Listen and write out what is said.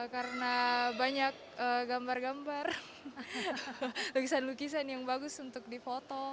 karena banyak gambar gambar lukisan lukisan yang bagus untuk dipoto